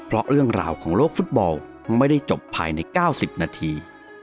เพราะเรื่องราวของโลกฟุตบอลไม่ได้จบภายใน๙๐นาที